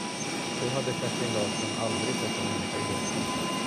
Så hade Kerstin Larsson aldrig sett en människa gråta.